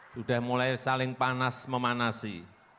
sudah mulai saling panas memanasi